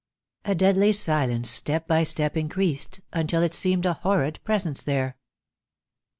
"A deadly silence step by step increased, Until it seemed a horrid presence there."